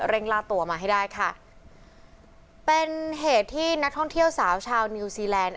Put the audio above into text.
ล่าตัวมาให้ได้ค่ะเป็นเหตุที่นักท่องเที่ยวสาวชาวนิวซีแลนด